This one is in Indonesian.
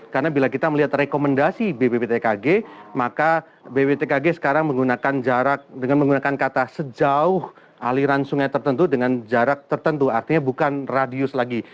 karena bila kita melihat rekomendasi bwtkg maka bwtkg sekarang menggunakan jarak dengan menggunakan kata sejauh aliran sungai tertentu dengan jarak tertentu artinya bukan radius lagi